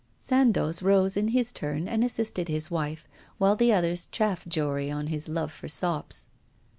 Sandoz rose in his turn and assisted his wife, while the others chaffed Jory on his love for sops.